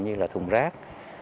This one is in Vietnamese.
như là thùng rác